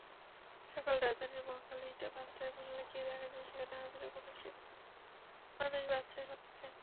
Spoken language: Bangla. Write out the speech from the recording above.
সকালে রাজধানীর মহাখালী বাসটার্মিনালে গিয়ে দেখা যায়, সেখানে হাজারো মানুষ বাসের অপেক্ষায়।